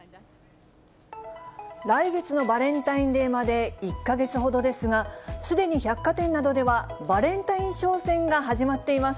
来月のバレンタインデーまで１か月ほどですが、すでに百貨店などでは、バレンタイン商戦が始まっています。